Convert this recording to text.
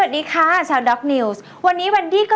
เดี๋ยวเดี๋ยวเดี๋ยว